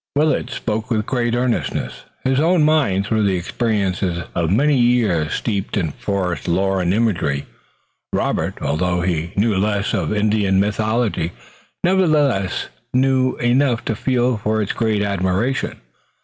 Willet spoke with great earnestness, his own mind through the experiences of many years being steeped in forest lore and imagery. Robert, although he knew less of Indian mythology, nevertheless knew enough to feel for it a great admiration.